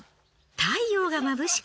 太陽がまぶしく